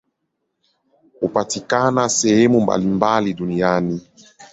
Hupatikana sehemu mbalimbali duniani.